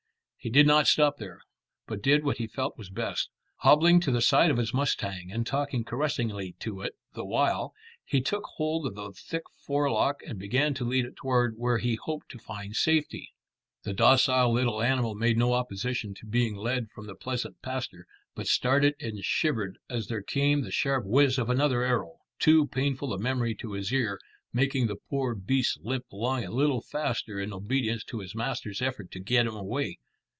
He did not stop there, but did what he felt was best. Hobbling to the side of his mustang and talking caressingly to it the while, he took hold of the thick forelock and began to lead it towards where he hoped to find safety. The docile little animal made no opposition to being led from the pleasant pasture, but started and shivered as there came the sharp whizz of another arrow too painful a memory to his ear making the poor beast limp along a little faster in obedience to his master's effort to get him away.